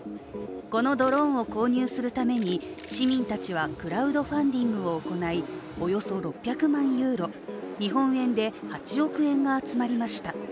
このドローンを購入するために市民たちはクラウドファンディングを行いおよそ６００万ユーロ、日本円で８億円が集まりました。